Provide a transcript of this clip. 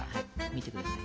見てください。